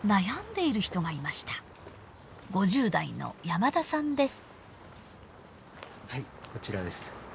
５０代の山田さんです。